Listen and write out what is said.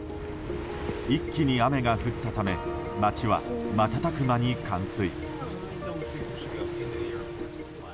一気に雨が降ったため町は瞬く間に冠水。